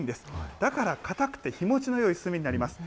だから、硬くて火もちのよい炭になります。